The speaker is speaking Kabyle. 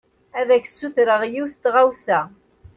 Ad ak-d-sutreɣ yiwen n tɣawsa.